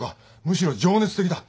むしろ情熱的だ。